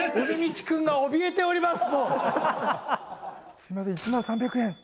すいません１万３００円。